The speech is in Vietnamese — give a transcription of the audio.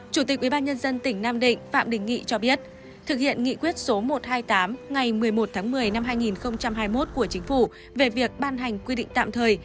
chủ tịch ubnd tỉnh nam định phạm đình nghị cho biết thực hiện nghị quyết số một trăm hai mươi tám ngày một mươi một tháng một mươi năm hai nghìn hai mươi một của chính phủ về việc ban hành quy định tạm thời